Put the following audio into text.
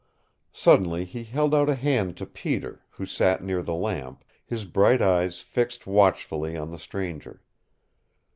Suddenly he held out a hand to Peter, who sat near the lamp, his bright eyes fixed watchfully on the stranger.